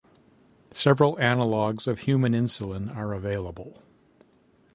Several analogs of human insulin are available.